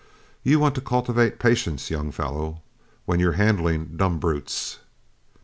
You want to cultivate patience, young fellow, when you're handling dumb brutes."